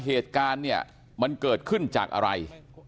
เหตุการณ์เนี่ยมันเกิดขึ้นจากอะไร